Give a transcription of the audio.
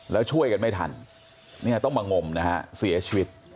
แล้วช่วยกันไม่ทันเนี่ยต้องมางมนะฮะเสียชีวิต